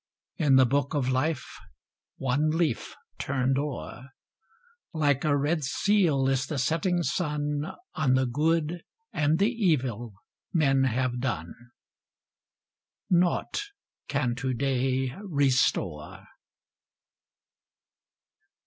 In the book of life one leaf turned o'er ! Like a red seal is the setting sun On the good arid the evil men have done, ŌĆö Naught can to day restore